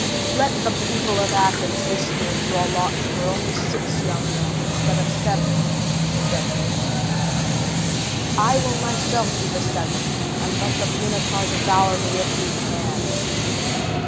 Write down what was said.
"Let the people of Athens this year draw lots for only six young men, instead of seven," said he, "I will myself be the seventh; and let the Minotaur devour me if he can!"